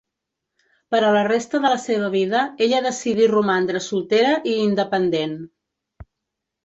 Per a la resta de la seva vida ella decidí romandre soltera i independent.